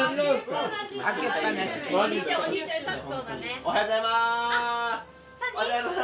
おはようございまーす！